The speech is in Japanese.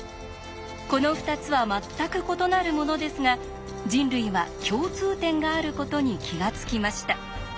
この２つは全く異なるものですが人類は共通点があることに気が付きました。